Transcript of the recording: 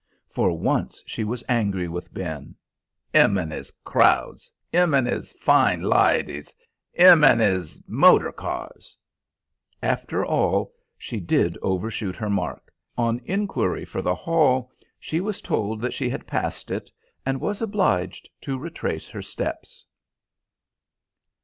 For once she was angry with Ben. "'Im and his crowds,' 'Im an' 'is fine lydies! 'Im an' 'is motor cars!" After all, she did overshoot her mark; on inquiry for the hall, she was told that she had passed it, and was obliged to retrace her steps.